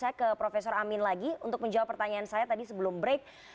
saya ke prof amin lagi untuk menjawab pertanyaan saya tadi sebelum break